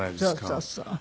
そうそうそう。